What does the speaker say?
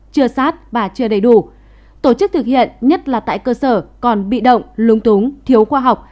chưa sát và chưa đầy đủ tổ chức thực hiện nhất là tại cơ sở còn bị động lúng túng thiếu khoa học